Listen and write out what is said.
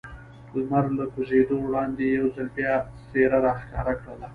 لمر له کوزېدو وړاندې یو ځل بیا څېره را ښکاره کړل.